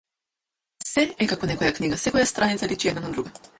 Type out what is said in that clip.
Сѐ е како некоја книга, секоја страница личи една на друга.